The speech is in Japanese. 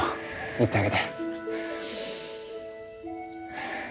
行ってあげて